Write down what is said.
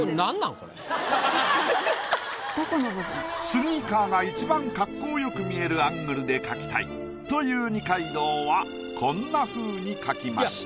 スニーカーが一番格好よく見えるアングルで描きたいという二階堂はこんなふうに描きました。